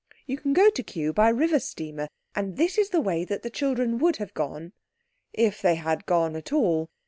You can go to Kew by river steamer—and this is the way that the children would have gone if they had gone at all.